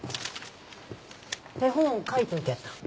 手本を書いておいてやった。